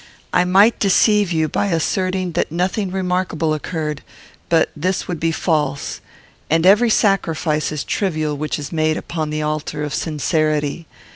I might deceive you by asserting that nothing remarkable occurred; but this would be false, and every sacrifice is trivial which is made upon the altar of sincerity.